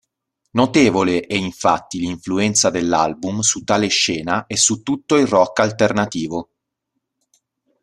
Notevole è infatti l'influenza dell'album su tale scena e su tutto il rock alternativo.